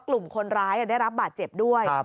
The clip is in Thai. กลุ่มคนร้ายได้รับบาดเจ็บด้วย